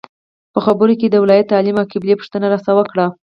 په خبرو کې یې د ولایت، تعلیم او قبیلې پوښتنه راڅخه وکړه.